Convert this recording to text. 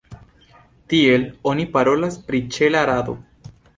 Tiel oni parolas pri ĉela rado.